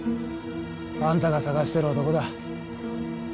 あんたが捜してる男だ。